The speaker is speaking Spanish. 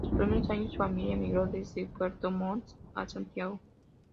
En sus primeros años, su familia migró desde Puerto Montt a Santiago.